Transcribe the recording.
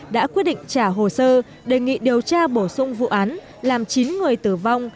đã quyết định trả hồ sơ đề nghị điều tra bổ sung vụ án làm chín người tử vong